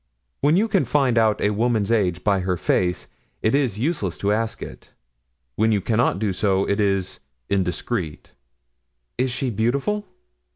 When you can find out a woman's age by her face, it is useless to ask it; when you cannot do so, it is indiscreet." "Is she beautiful?"